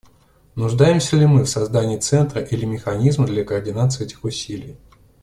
Нуждаемся ли мы в создании центра или механизма для координации этих усилий?